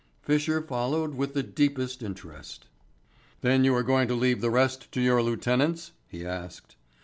Fisher followed with the deepest interest. "Then you are going to leave the rest to your lieutenants?" he asked.